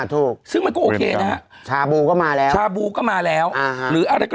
ถูกซึ่งมันก็โอเคนะฮะชาบูก็มาแล้วชาบูก็มาแล้วหรืออะไรก็